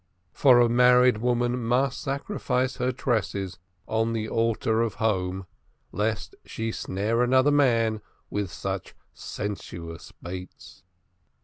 For a married woman must sacrifice her tresses on the altar of home, lest she snare other men with such sensuous baits.